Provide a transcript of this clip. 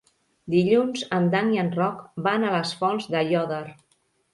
Dilluns en Dan i en Roc van a les Fonts d'Aiòder.